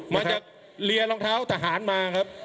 มาจากเรียรองเท้าทหารมาครับ